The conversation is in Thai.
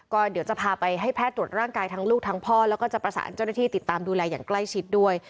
ก็เดี๋ยวจะพาไปให้แพทย์ตรวจร่างกายทั้งลูกทั้งพ่อแล้วก็จะประสานเจ้าหน้าที่ติดตามดูแลอย่างใกล้ชิดด้วย